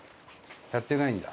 やってないんだ。